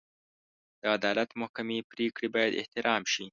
د عدالت محکمې پرېکړې باید احترام شي.